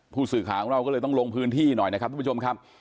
ผู้สื่อข่าวของเราก็เลยต้องลงพื้นที่หน่อยนะครับทุกผู้ชมครับ